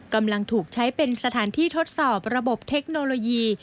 กำลังถูกใช้เป็นสถานที่ทดสอบระบบเทคโนโลยี